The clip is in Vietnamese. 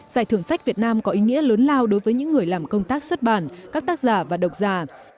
giải thưởng sách việt nam có ý nghĩa lớn lao đối với những người làm công tác xuất bản các tác giả và độc giả